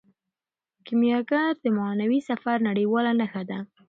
کیمیاګر د معنوي سفر نړیواله نښه ده.